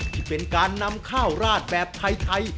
ที่เป็นการนำข้าวราดแบบไทย